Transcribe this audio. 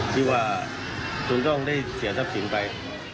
ที่ว่าคุณต้องได้เสียทรัพย์สินไป